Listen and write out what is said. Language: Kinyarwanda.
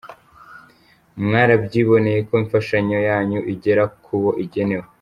Mwarabyiboneye ko imfashanyo yanyu igera kubo igenewe.